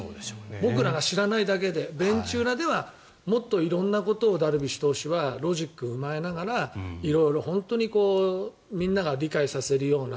僕らが知らないだけでベンチ裏ではもっと色んなことをダルビッシュ投手はロジックを踏まえながら色々本当にみんなに理解させるような。